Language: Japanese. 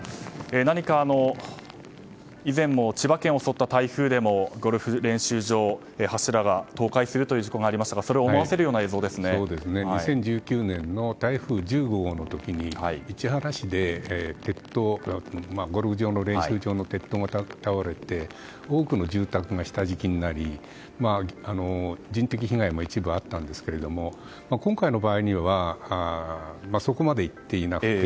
何か、以前千葉県を襲った台風でもゴルフ練習場の柱が倒壊するという事故がありましたが２０１９年の台風１５号の時に市原市でゴルフ練習場の鉄塔が倒れて多くの住宅が下敷きになり人的被害も一部あったんですけど今回の場合にはそこまでいっていなかった。